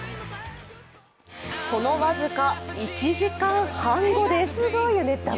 その僅か１時間半後です。